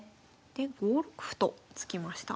で５六歩と突きました。